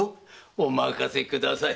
おまかせください。